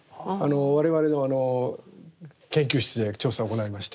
我々の研究室で調査を行いまして。